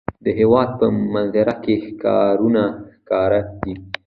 د هېواد په منظره کې ښارونه ښکاره دي.